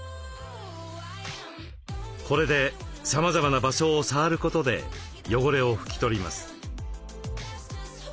これでさまざまな場所を触ることで汚れを拭き取ります。